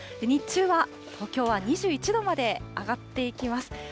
日中はきょうは２１度まで上がっていきます。